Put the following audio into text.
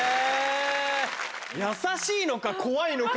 優しいのか怖いのか。